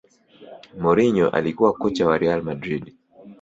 mourinho alikuwa kocha wa real madrid